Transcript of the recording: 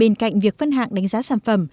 bên cạnh việc phân hạng đánh giá sản phẩm